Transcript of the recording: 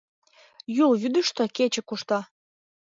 Юл вӱдыштӧ кече кушта